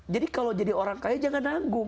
jadi kalau jadi orang kaya jangan nanggung